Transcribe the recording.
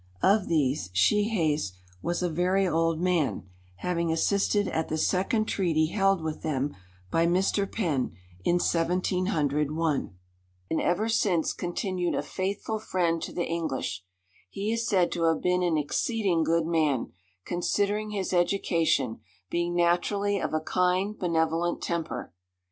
"Of these, Shehaes was a very old man, having assisted at the second treaty held with them by Mr. Penn, in 1701, and ever since continued a faithful friend to the English; he is said to have been an exceeding good man, considering his education, being naturally of a kind, benevolent temper.